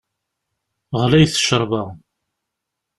Ɣlayet ccerba!